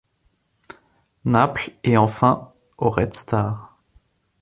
Naples et enfin au Red Star.